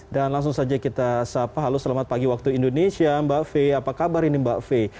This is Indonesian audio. dan langsung saja kita sapa halo selamat pagi waktu indonesia mbak faye apa kabar ini mbak faye